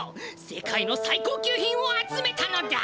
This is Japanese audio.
世界の最高級品を集めたのだ！